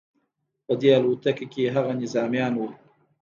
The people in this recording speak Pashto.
په دې الوتکه کې هغه نظامیان وو